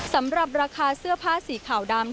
สำหรับราคาเสื้อผ้าสีขาวดำ